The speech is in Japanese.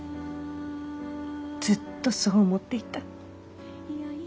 ずっとそう思っていた。